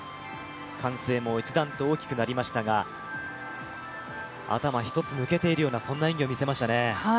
歓声も一段と大きくなりましたが頭一つ抜けているようなそんな演技を見せましたね。